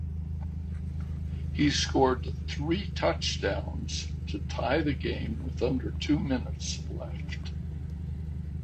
He scored three touchdowns to tie the game with under two minutes left.